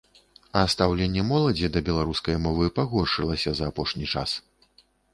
А стаўленне моладзі да беларускай мовы пагоршылася за апошні час.